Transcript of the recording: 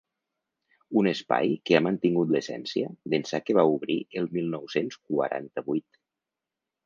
Un espai que ha mantingut l’essència d’ençà que va obrir el mil nou-cents quaranta-vuit.